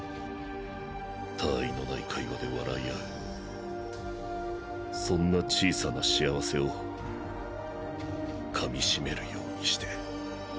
たわいのない会話で笑い合うそんな小さな幸せを噛みしめるようにして。